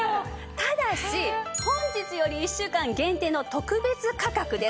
ただし本日より１週間限定の特別価格です。